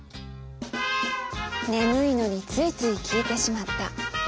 眠いのについつい聴いてしまった。